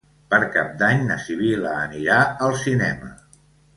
Per Cap d'Any na Sibil·la anirà al cinema.